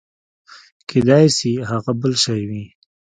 کېداى سي هغه بل شى وي.